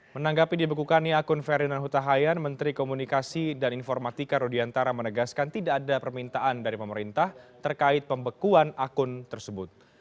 menanggapi dibekukannya akun ferdinand huta hayan menteri komunikasi dan informatika rudiantara menegaskan tidak ada permintaan dari pemerintah terkait pembekuan akun tersebut